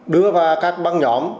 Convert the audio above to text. đưa vào các băng nhóm